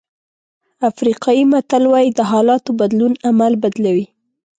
افریقایي متل وایي د حالاتو بدلون عمل بدلوي.